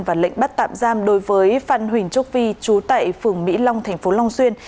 và lệnh bắt tạm giam đối với phan huỳnh trúc vi trú tại phường mỹ long thành phố long xuyên